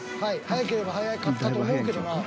［速ければ速かったと思うけどな。